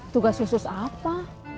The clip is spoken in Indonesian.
tugas khusus apa